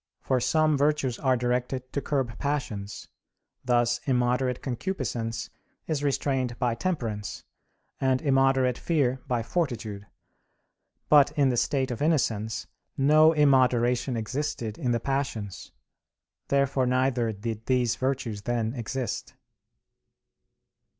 For some virtues are directed to curb passions: thus immoderate concupiscence is restrained by temperance, and immoderate fear by fortitude. But in the state of innocence no immoderation existed in the passions. Therefore neither did these virtues then exist.